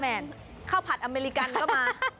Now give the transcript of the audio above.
กัปตันข้าวผัดอเมริกันก็มา